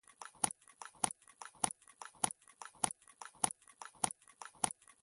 د اوبو سرچینې د افغانستان په ستراتیژیک اهمیت کې رول لري.